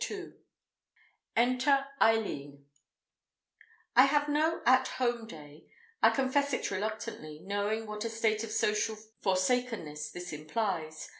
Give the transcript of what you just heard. II Enter Eileen I HAVE no "at home" day. I confess it reluctantly, knowing what a state of social forsakenness this implies.